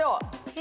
え！？